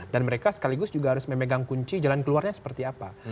dan mereka sekaligus juga harus memegang kunci jalan keluarnya seperti apa